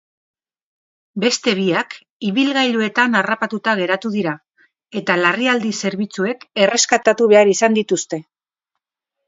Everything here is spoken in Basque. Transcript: Beste biak ibilgailuetan harrapatuta geratu dira eta larrialdi zerbitzuek erreskatatu behar izan dituzte.